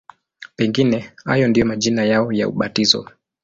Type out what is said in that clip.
Pengine hayo ndiyo majina yao ya ubatizo.